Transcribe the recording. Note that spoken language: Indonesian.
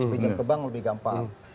pinjam ke bank lebih gampang